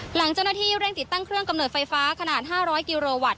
หลังเจ้าหน้าที่เร่งติดตั้งเครื่องกำเนิดไฟฟ้าขนาด๕๐๐กิโรวัตต